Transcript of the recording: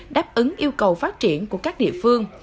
đáp ứng yêu cầu phát triển của các địa phương